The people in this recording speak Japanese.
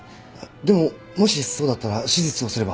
でももしそうだったら手術をすれば。